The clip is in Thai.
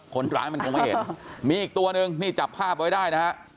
คนร้ายมันคงไม่เห็นมีอีกตัวหนึ่งนี่จับภาพไว้ได้นะฮะ